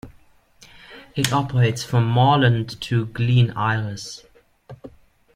It operates from Moreland to Glen Iris.